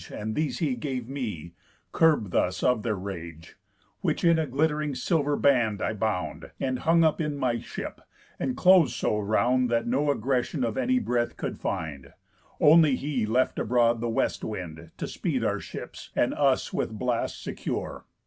And these he gave me, curb'd thus of their rage, Which in a glitt'ring silver band I bound, And hung up in my ship, enclos'd so round That no egression any breath could find; Only he left abroad the Western Wind, To speed our ships, and us with blasts secure.